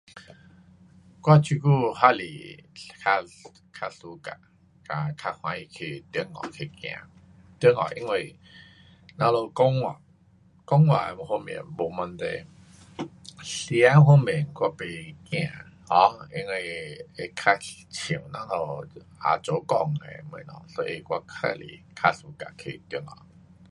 我这久还是 suka 较 suka 跟较欢喜去中国去走，中国因为咱们有讲话，讲话方面没问题，吃方面我不怕 um 因为会较像咱们祖公的东西，所以我较 suka 去中国。